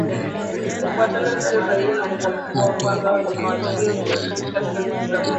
Mfuatano usio sahihi wa kukamua kuanza na wanyama walio na kititi wakati wa kukamua